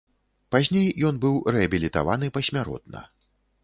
Пазней ён быў рэабілітаваны пасмяротна.